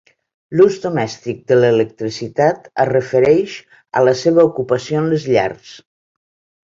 L'ús domèstic de l'electricitat es refereix a la seva ocupació en les llars.